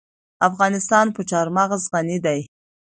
افغانستان په چار مغز غني دی.